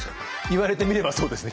言われてみればそうですね。